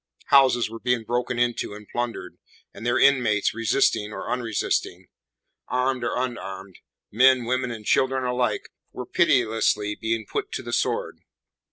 Houses were being broken into and plundered, and their inmates resisting or unresisting; armed or unarmed; men, women and children alike were pitilessly being put to the sword.